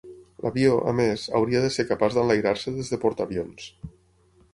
L'avió, a més, hauria de ser capaç d'enlairar-se des de portaavions.